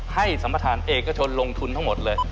ให้สัมภาษณ์เอกชนลงทุนทั้งหมดเลย